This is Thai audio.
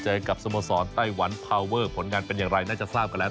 เจอกับสโมสรไต้หวันพาวเวอร์ผลงานเป็นอย่างไรน่าจะทราบกันแล้ว